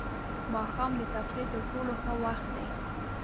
ماښام د تفریح تر ټولو ښه وخت دی.